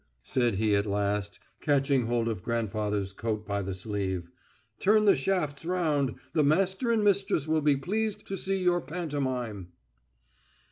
said he at last, catching hold of grandfather's coat by the sleeve. "Turn the shafts round. The master and mistress will be pleased to see your pantomime."